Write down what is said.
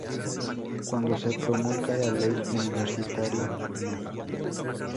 Cuando se promulga la ley Universitaria No.